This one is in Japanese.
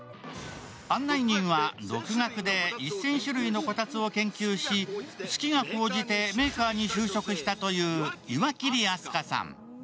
案内人は独学で１０００種類のこたつを勉強し、好きが高じてメーカーに就職したという岩切明日香さん。